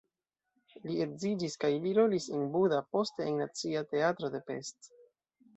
Li edziĝis kaj li rolis en Buda, poste en Nacia Teatro de Pest.